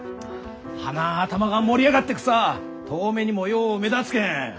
花ん頭が盛り上がってくさ遠目にもよう目立つけん。